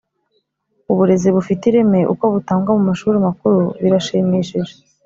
Uburezi bufite ireme uko butangwa mu mashuri makuru birashimishije